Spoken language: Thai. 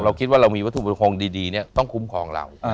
เราคิดว่าเรามีวัตถุมงคลดีเนี่ยต้องคุ้มครองเรา